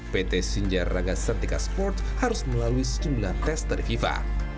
pt sinjarada sentika sport harus melalui sejumlah tes dari fifa